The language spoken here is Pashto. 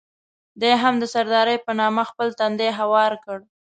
ده هم د سردارۍ په نامه خپل تندی هوار کړ.